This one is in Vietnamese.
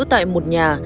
tại một nhà